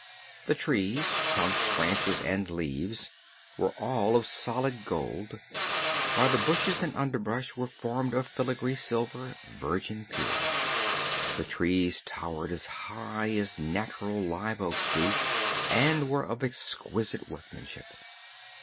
The trees trunks, branches and leaves were all of solid gold, while the bushes and underbrush were formed of filigree silver, virgin pure. The trees towered as high as natural live oaks do and were of exquisite workmanship.